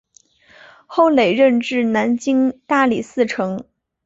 后累任至南京大理寺丞。